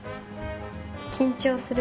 緊張する。